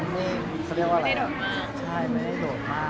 แบบถ้าพวกพี่อยากรู้พวกพี่ก็เช็คได้